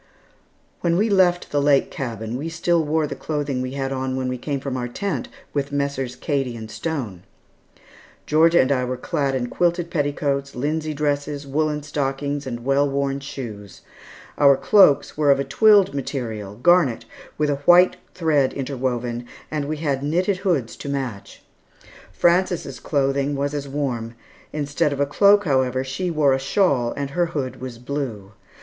When we left the lake cabin, we still wore the clothing we had on when we came from our tent with Messrs. Cady and Stone. Georgia and I were clad in quilted petticoats, linsey dresses, woollen stockings, and well worn shoes. Our cloaks were of a twilled material, garnet, with a white thread interwoven, and we had knitted hoods to match. Frances' clothing was as warm; instead of cloak, however, she wore a shawl, and her hood was blue.